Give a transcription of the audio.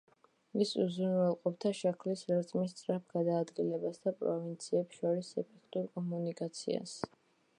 ის უზრუნველყოფდა შაქრის ლერწმის სწრაფ გადაადგილებას და პროვინციებს შორის ეფექტურ კომუნიკაციას.